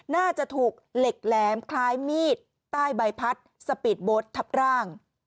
น่าจะถูกเหล็กแหลมคล้ายมีดใต้ใบพัดสปีดโบสต์ทับร่าง